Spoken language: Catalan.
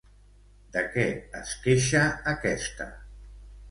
De què es queixa aquesta?